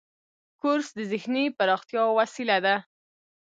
کورس د ذهني پراختیا وسیله ده.